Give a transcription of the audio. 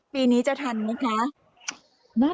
ปีนี้จะทันมั้ยคะ